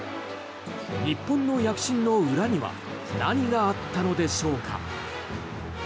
日本の躍進の裏には何があったのでしょうか。